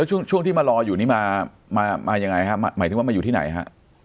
ช่วงที่มารออยู่นี่มามายังไงฮะหมายถึงว่ามาอยู่ที่ไหนฮะ